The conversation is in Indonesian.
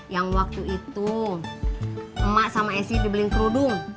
yang waktu itu emak sama esi dibeli kerudung